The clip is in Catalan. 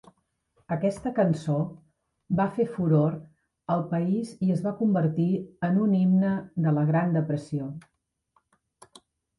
Aquesta cançó va fer furor al país i es va convertir en un himne de la Gran Depressió.